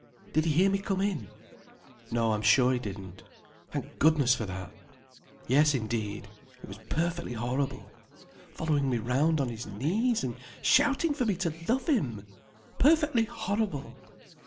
Did he hear me come in?" "No, I'm sure he didn't." "Thank goodness for that." "Yes indeed! It was perfectly horrible. Following me round on his knees and shouting for me to love him! Perfectly horrible!"